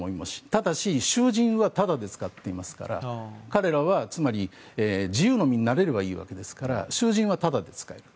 ただし囚人はタダで使っていますから彼らはつまり自由の身になれればいいわけですから囚人はタダで使える。